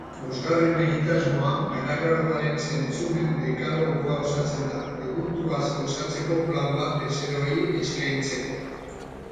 Bosgarren egitasmoa garagardoaren zentzumen-dekalogoa osatzea da, produktuaz gozatzeko plan bat bezeroei eskaintzeko.